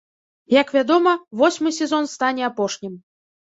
Як вядома, восьмы сезон стане апошнім.